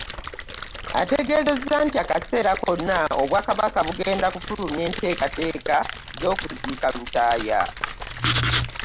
Ategezezza nti akaseera konna, Obwakabaka bugenda kufulumya enteekateeka z'okuziika Lutaaya.